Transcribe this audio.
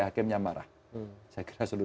hakimnya marah saya kira seluruh